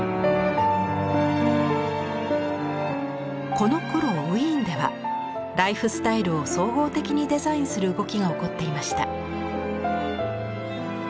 このころウィーンではライフスタイルを総合的にデザインする動きが起こっていました。